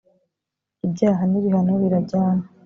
ibyaha n ‘ibihano birajyana.